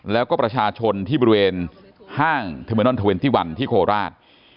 แล้วก็ประชาชนที่บริเวณห้างเทอร์เมนอล๒๑ที่โคราช